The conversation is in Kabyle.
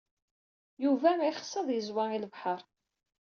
Yuba yexs ad yeẓwa l lebḥeṛ.